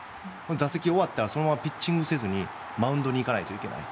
打席終わったらピッチングをせずにマウンドに行かなきゃいけない。